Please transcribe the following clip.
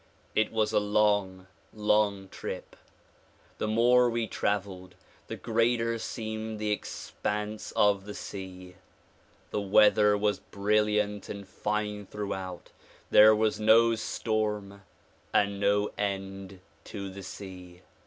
It was a long, long trip. The more we traveled the greater seemed the expanse of the sea. The weather was brilliant and fine throughout ; there was no storm and no end to the sea.